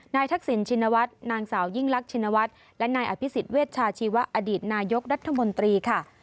ทักษิณชินวัฒน์นางสาวยิ่งลักชินวัฒน์และนายอภิษฎเวชชาชีวะอดีตนายกรัฐมนตรีค่ะ